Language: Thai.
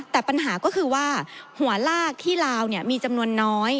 แต่ปัญหาก็คือว่าหัวลากที่ลาวมีจำนวนน้อย